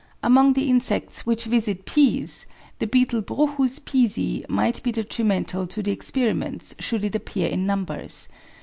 Among the insects x which visit Peas the beetle Bruchus pisi might be detrimental to the experiments should it appear in numbers.